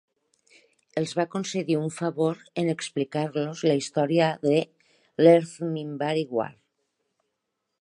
Els va concedir un favor en explicar-los la història de l'Earth-Minbari War.